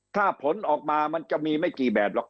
ถ้าผลออกมามันจะมีไม่กี่แบบหรอก